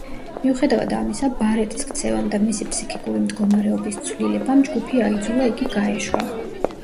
მიუხედავად ამისა, ბარეტის ქცევამ და მისი ფსიქიკური მდგომარეობის ცვლილებამ, ჯგუფი აიძულა, იგი გაეშვა.